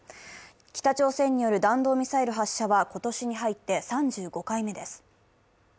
北朝鮮による弾道ミサイル発射は今年に入って３５回目です。